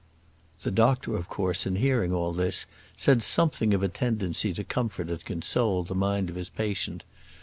The doctor, of course, in hearing all this, said something of a tendency to comfort and console the mind of his patient.